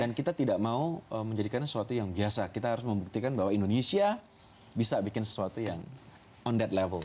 dan kita tidak mau menjadikannya sesuatu yang biasa kita harus membuktikan bahwa indonesia bisa bikin sesuatu yang on that level